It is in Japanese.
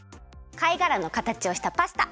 かいがらのかたちをしたパスタ。